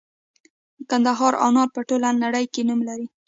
د کندهار انار په ټوله نړۍ کې نوم لري.